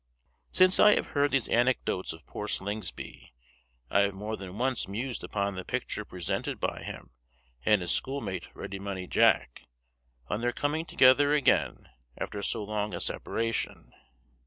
Since I have heard these anecdotes of poor Slingsby, I have more than once mused upon the picture presented by him and his schoolmate Ready Money Jack, on their coming together again after so long a separation.